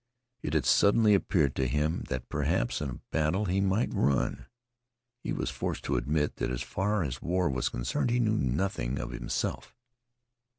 It had suddenly appeared to him that perhaps in a battle he might run. He was forced to admit that as far as war was concerned he knew nothing of himself.